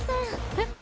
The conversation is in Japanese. えっ？